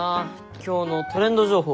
今日のトレンド情報。